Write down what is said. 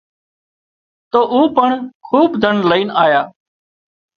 تو او پڻ کوٻ ڌن لائينَ آيا